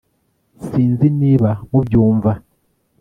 sinzi niba mu byumva